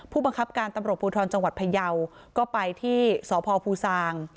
ผู้บังคับการตำรวจภูทรจังหวัดพยาวก็ไปที่สพภูซาง